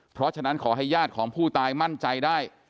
เพราะฉะนั้นขอให้ญาติของผู้ตายมั่นใจได้